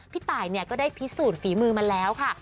พี่ตายก็ได้พิสูจนฝีมือมาแล้วค่ะ